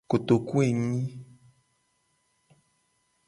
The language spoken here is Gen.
Kotokuenyi.